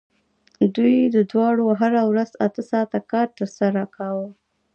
دوی دواړو هره ورځ اته ساعته کار ترسره کاوه